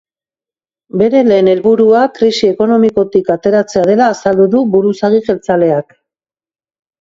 Bere lehen helburua krisi ekonomikotik ateratzea dela azaldu du burzagi jeltzaleak.